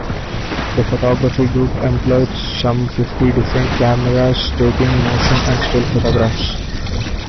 The photography group employed some fifty different cameras, taking motion and still photographs.